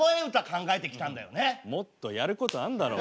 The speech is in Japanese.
もっとやることあんだろ。